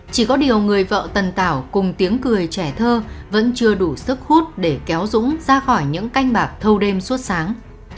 chỉ có điều người vợ tần tảo cùng tiếng cười trẻ thơ vẫn chưa đủ sức hút để kéo dũng ra khỏi những canh bạc thâu đêm suốt sáng